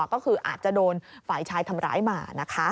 ก็คืออาจจะโดนฝ่ายชายทำร้ายมานะคะ